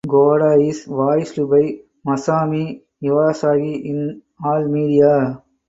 Goda is voiced by Masami Iwasaki in all media.